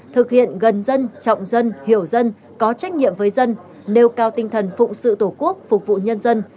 thực hiện gần dân trọng dân hiểu dân có trách nhiệm với dân nêu cao tinh thần phụng sự tổ quốc phục vụ nhân dân